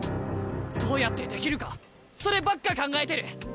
どうやってできるかそればっか考えてる。